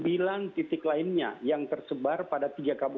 sembilan titik lainnya yang tersebar pada tiga kabupaten